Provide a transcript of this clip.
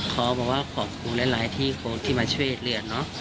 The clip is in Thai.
เขาบอกว่าขอบคุณหลายที่มาช่วยเรียน